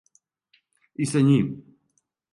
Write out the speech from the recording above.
И са њим.